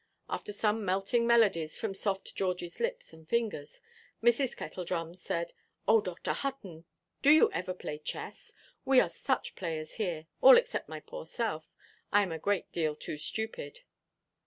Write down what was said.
After some melting melodies from soft Georgieʼs lips and fingers, Mrs. Kettledrum said, "Oh, Dr. Hutton, do you ever play chess? We are such players here; all except my poor self; I am a great deal too stupid."